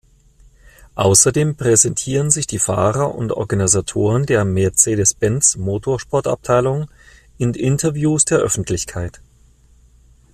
Außerdem präsentieren sich die Fahrer und Organisatoren der Mercedes-Benz-Motorsport-Abteilung in Interviews der Öffentlichkeit.